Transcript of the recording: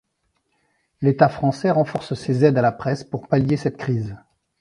L'État français renforce ses aides à la presse pour pallier cette crise.